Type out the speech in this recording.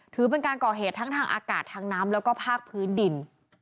ถือเป็นการก่อเหตุทั้งทางอากาศทางน้ำแล้วก็ภาคพื้นดิน